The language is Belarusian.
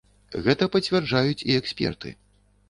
Гэта пацвярджаюць і эксперты.